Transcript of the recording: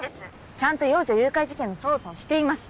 ちゃんと幼女誘拐事件の捜査をしています。